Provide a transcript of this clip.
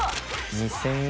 ２０００円。